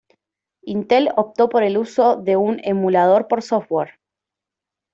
Intel optó por el uso de un emulador por software.